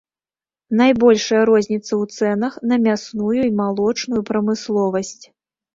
Найбольшая розніца ў цэнах на мясную і малочную прамысловасць.